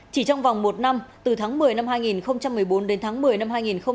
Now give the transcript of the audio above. chỉ trong vòng một năm từ tháng một mươi năm hai nghìn một mươi bốn đến tháng một mươi năm hai nghìn một mươi bảy